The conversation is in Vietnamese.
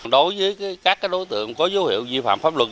đối với các đối tượng có dấu hiệu vi phạm pháp luật